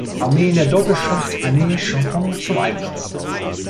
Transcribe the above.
Armee in der Doppelschlacht Aisne-Champagne zum Einsatz.